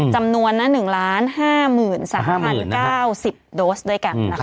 จำนวน๑๕๓๐๙๐โดสด้วยกันนะคะ